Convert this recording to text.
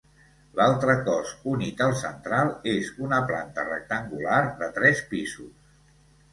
L'altre cos unit al central és una planta rectangular de tres pisos.